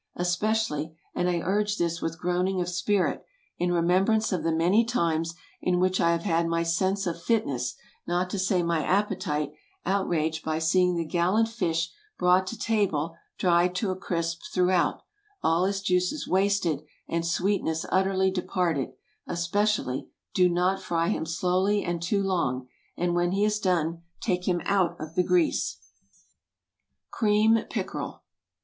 Especially—and I urge this with groaning of spirit, in remembrance of the many times in which I have had my sense of fitness, not to say my appetite, outraged by seeing the gallant fish brought to table dried to a crisp throughout, all his juices wasted and sweetness utterly departed—especially, do not fry him slowly and too long; and when he is done, take him out of the grease! CREAM PICKEREL.